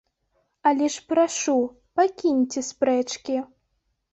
Але ж прашу, пакіньце спрэчкі.